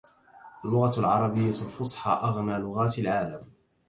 اللغة العربية الفصحي أغنى لغات العالم.